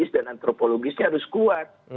dan antropologisnya harus kuat